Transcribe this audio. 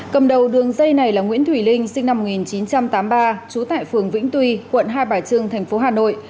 cầm đầu đường dây này là nguyễn thủy linh sinh năm một nghìn chín trăm tám mươi ba trú tại phường vĩnh tuy quận hai bà trưng thành phố hà nội